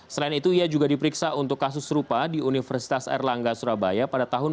selain itu ia juga diperiksa untuk kasus serupa di universitas erlangga surabaya pada tahun dua ribu dua